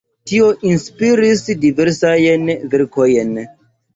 Tio inspiris diversajn verkojn.